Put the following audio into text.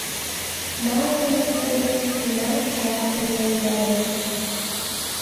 — Малыме годым тунар жапым йомдарет!